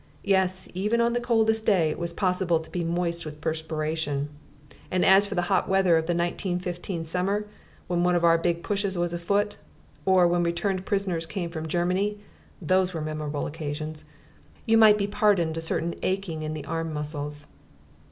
yes, even on the coldest day it was possible to be moist with perspiration; and as for the hot weather of the 1915 summer, when one of our Big Pushes was afoot, or when returned prisoners came from Germany (those were memorable occasions!) you might be pardoned a certain aching in the arm muscles.